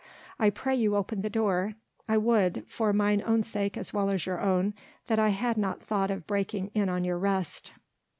I pray you open the door. I would for mine own sake as well as your own that I had not thought of breaking in on your rest."